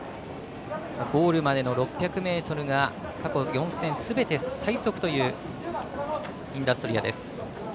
ゴールまでの６００ｍが過去４戦、すべて最速というインダストリアです。